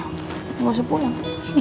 gue gak usah pulang